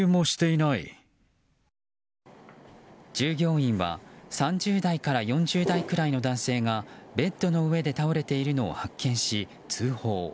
従業員は３０代から４０代くらいの男性がベッドの上で倒れているのを発見し通報。